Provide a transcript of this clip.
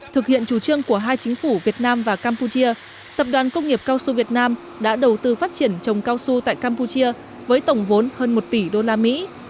thực hiện chủ trương của hai chính phủ việt nam và campuchia tập đoàn công nghiệp cao su việt nam đã đầu tư phát triển trồng cao su tại campuchia với tổng vốn hơn một tỷ đô la mỹ